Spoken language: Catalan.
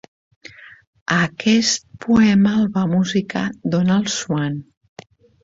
Aquest poema el va musicar Donald Swann.